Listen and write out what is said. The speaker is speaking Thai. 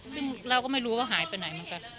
ซึ่งเราก็ไม่รู้ว่าหายไปไหนเหมือนกัน